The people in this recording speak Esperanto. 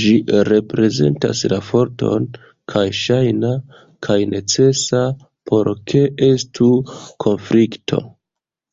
Ĝi reprezentas la forton kaj ŝajna kaj necesa por ke estu konflikto.